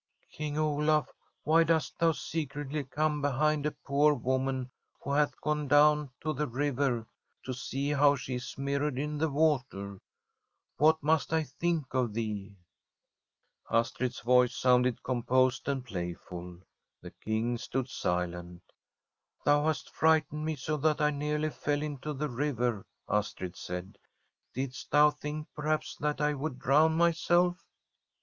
' King Olaf, why dost thou secretly come be hind a poor woman who hath gone down to the river to see how she is mirrored in the water? What must I think of thee ?' Astrid's voice sounded composed and playful. The King stood silent. ' Thou hast frightened me so that I nearly fell into the river,' Astrid said. * Didst thou think, perhaps, that I would drown myself?